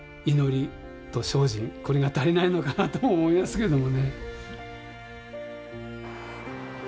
これが足りないのかなと思いますけどもね。